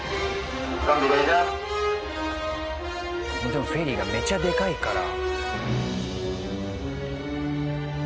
でもフェリーがめちゃでかいから。